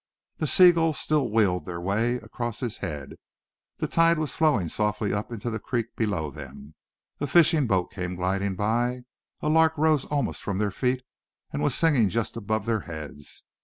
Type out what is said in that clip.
The seagulls still wheeled their way across his head. The tide was flowing softly up into the creek below them. A fishing boat came gliding by. A lark rose almost from their feet, and was singing just above their heads.